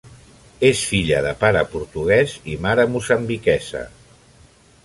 És filla de pare portuguès i mare moçambiquesa.